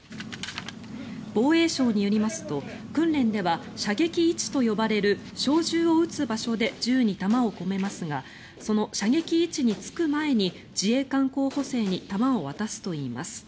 防衛省によりますと訓練では射撃位置と呼ばれる小銃を撃つ場所で銃に弾を込めますがその射撃位置につく前に自衛官候補生に弾を渡すといいます。